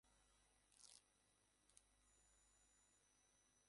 বইটিতে মুহাম্মদ ও ইসলামের প্রথম খলিফাদের প্রথম দিককার অভিযান বর্ণিত হয়েছে।